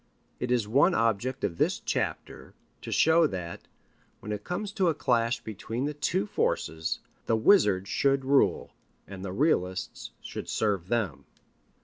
It is one object of this chapter to show that, when it comes to a clash between the two forces, the wizards should rule, and the realists should serve them.